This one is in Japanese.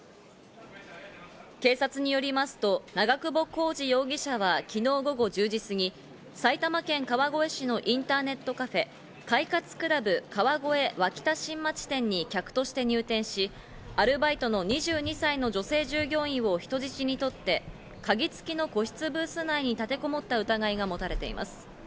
警察によりますと、長久保浩二容疑者は昨日午後１０時過ぎ、埼玉県川越市のインターネットカフェ・快活ＣＬＵＢ川越脇田新町店に客として入店し、アルバイトの２２歳の女性従業員を人質にとって鍵付きの個室ブース内に立てこもった疑いが持たれています。